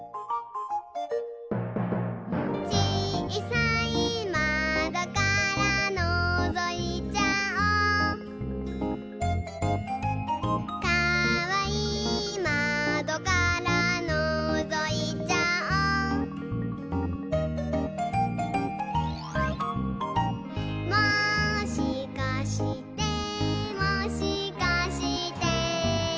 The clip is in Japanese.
「ちいさいまどからのぞいちゃおう」「かわいいまどからのぞいちゃおう」「もしかしてもしかして」